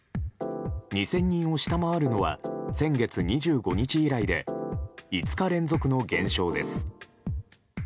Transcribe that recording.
２０００人を下回るのは先月２５日以来で５日連続の減少です。